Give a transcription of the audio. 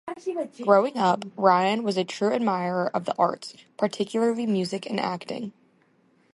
Growing up, Ryan was a true admirer of the arts, particularly music and acting.